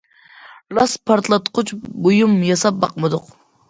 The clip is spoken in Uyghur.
راست پارتلاتقۇچ بۇيۇم ياساپ باقمىدۇق.